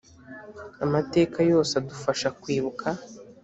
amateka yose adufasha kwibuka.